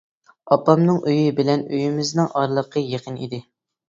ئاپامنىڭ ئۆيى بىلەن ئۆيىمىزنىڭ ئارىلىقى يېقىن ئىدى.